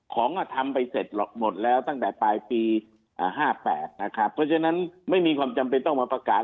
ของก็ทำไปเสร็จหมดแล้วตั้งแต่ปลายปี๕๘นะครับเพราะฉะนั้นไม่มีความจำเป็นต้องมาประกาศ